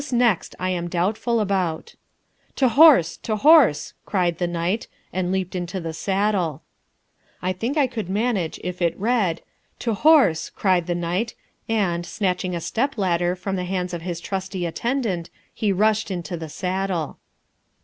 This next I am doubtful about: "To horse! to horse!" cried the knight, and leaped into the saddle. I think I could manage it if it read: "To horse!" cried the knight, and, snatching a step ladder from the hands of his trusty attendant, he rushed into the saddle.